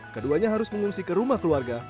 keduanya harus mengungsi ke rumah keluarga